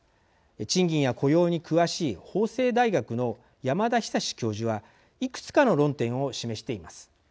賃金や雇用に詳しい法政大学の山田久教授はいくつかの論点を示しています。